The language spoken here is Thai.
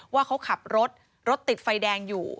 ว่าเขาขับรถรถติดไฟแดงอยู่